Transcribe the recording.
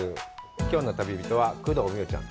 きょうの旅人は工藤美桜ちゃん。